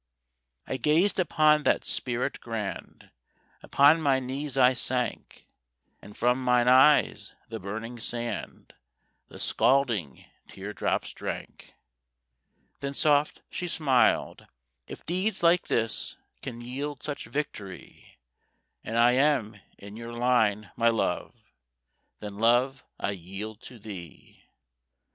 I gazed upon that spirit grand, Upon my knees I sank, And from mine eyes the burning sand The scalding tear drops drank. Then soft she smiled: "If deeds like this Can yield such victory, And I am in your line, my love, Then, love, I yield to thee."